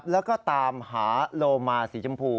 แล้วก็ตามหาโลมาสีชมพู